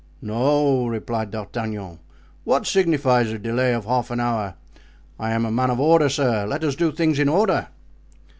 "No," replied D'Artagnan; "what signifies a delay of half an hour? I am a man of order, sir; let us do things in order."